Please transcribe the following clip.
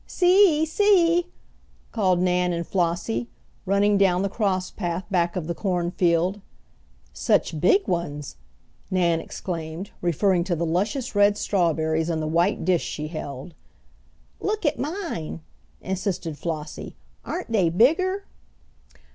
"See! see!" called Nan and Flossie, running down the cross path back of the cornfield. "Such big ones!" Nan exclaimed, referring to the luscious red strawberries in the white dish she held. "Look at mine," insisted Flossie. "Aren't they bigger?"